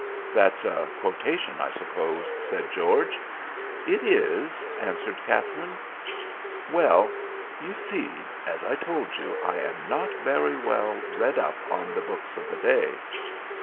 _" "That's a quotation, I suppose?" said George. "It is," answered Katherine. "Well, you see, as I told you, I am not very well read up on the books of the day."